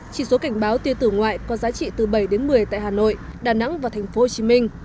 chỉ số cảnh báo tiêu tử ngoại có giá trị từ bảy đến một mươi tại hà nội đà nẵng và thành phố hồ chí minh